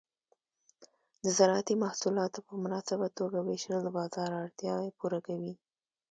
د زراعتي محصولات په مناسبه توګه ویشل د بازار اړتیا پوره کوي.